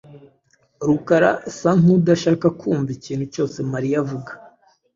Rukara asa nkudashaka kumva ikintu cyose Mariya avuga.